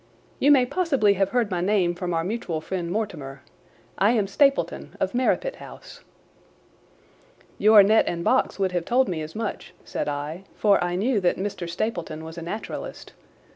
You may possibly have heard my name from our mutual friend, Mortimer. I am Stapleton, of Merripit House." "Your net and box would have told me as much," said I, "for I knew that Mr. Stapleton was a naturalist.